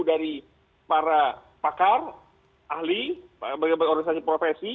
dari para pakar ahli bagaimana organisasi profesi